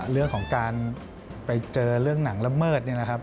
เรื่องของการไปเจอเรื่องหนังละเมิดเนี่ยนะครับ